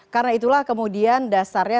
karena itulah kemudian dasarnya